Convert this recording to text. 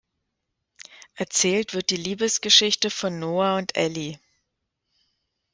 Erzählt wird die Liebesgeschichte von Noah und Allie.